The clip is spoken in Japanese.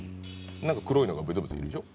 なんか黒いのがブツブツいるでしょ？